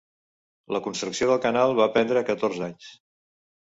La construcció de canal va prendre catorze anys.